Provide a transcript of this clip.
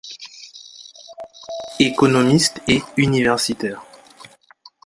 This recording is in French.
Économiste et universitaire.